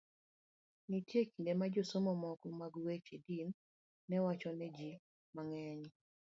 Nitie kinde ma josomo moko mag weche din ne wacho ni ji mang'eny